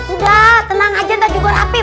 udah tenang aja ntar juga rapih